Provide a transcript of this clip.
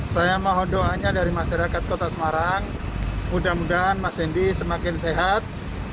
saya mohon doanya dari masyarakat kota semarang mudah mudahan mas hendy semakin sehat